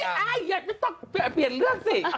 ไอ้เย็นเปลี่ยนเลือกสิ